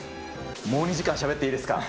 もう２時間しゃべっていいですか？